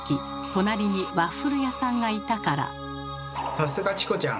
さすがチコちゃん！